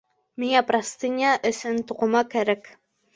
Миңә простыня өсөн туҡыма кәрәк